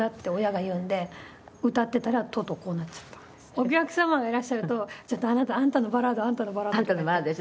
お客様がいらっしゃると「ちょっと『あんたのバラード』『あんたのバラード』」って。